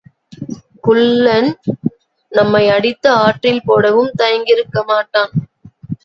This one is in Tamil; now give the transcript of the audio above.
குள்ளன் நம்மை அடித்து ஆற்றில் போடவும் தயங்கியிருக்கமாட்டான்.